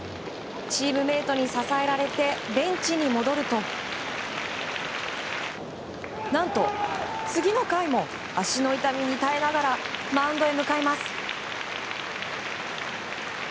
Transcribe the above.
チームメートに支えられてベンチに戻ると何と、次の回も足の痛みに耐えながらマウンドへ向かいます。